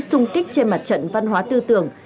sung kích trên mặt trận văn hóa tư tưởng